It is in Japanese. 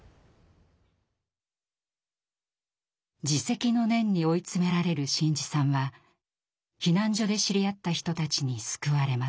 自責の念に追い詰められる伸一さんは避難所で知り合った人たちに救われます。